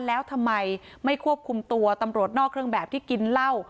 แล้วทำไมไม่ควบคุมตัวตำรวจนอกเครื่องแบบที่กินเหล้า